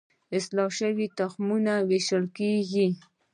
اصلاح شوي تخمونه ویشل کیږي.